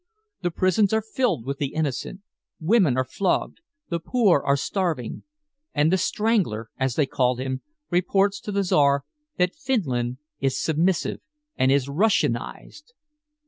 The prisons are filled with the innocent; women are flogged; the poor are starving, and 'The Strangler,' as they call him, reports to the Czar that Finland is submissive and is Russianized!"